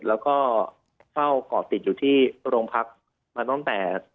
แล้วก็เฝ้าก่อติดอยู่ที่โรงพักมาตั้งแต่